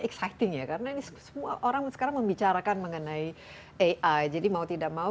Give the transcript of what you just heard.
exciting ya karena ini semua orang sekarang membicarakan mengenai ai jadi mau tidak mau